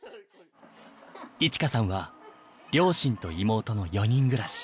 衣千華さんは両親と妹の４人暮らし。